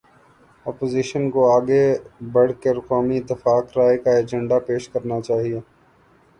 Opposition کو آگے بڑھ کر قومی اتفاق رائے کا ایجنڈا پیش کرنا چاہیے۔